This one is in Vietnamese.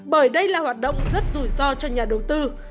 bởi đây là hoạt động rất rủi ro cho nhà đầu tư